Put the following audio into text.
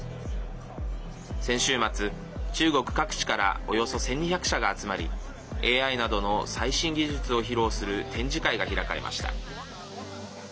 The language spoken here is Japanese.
先週末、中国各地からおよそ１２００社が集まりＡＩなどの最新技術を披露する展示会が開かれました。